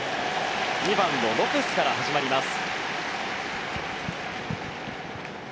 ２番のロペスから始まります。